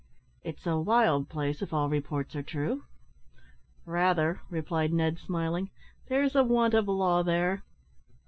"It's a wild place, if all reports are true?" "Rather," replied Ned, smiling; "there's a want of law there."